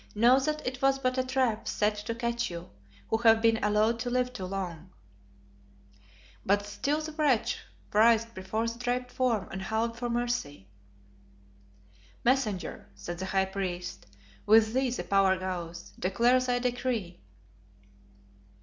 Know that it was but a trap set to catch you, who have been allowed to live too long." But still the wretch writhed before the draped form and howled for mercy. "Messenger," said the high priest, "with thee the power goes. Declare thy decree."